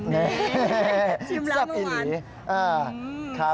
นี่ชิมแล้วเมื่อวาน